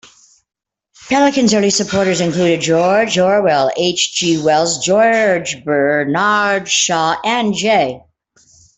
Pelican's early supporters included George Orwell, H. G. Wells, George Bernard Shaw, and J.